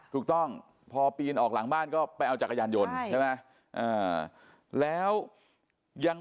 ถูกต้องพอปีนออกหลังบ้านก็ไปเอาจักรยานยนต์ใช่ไหมแล้วยัง